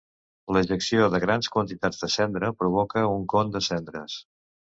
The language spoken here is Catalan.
L'ejecció de grans quantitats de cendra provoca un con de cendres.